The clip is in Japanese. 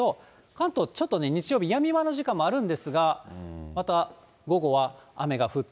関東、ちょっと日曜日、やみ間の時間もあるんですが、また午後は雨が降って。